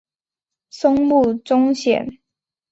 松木宗显。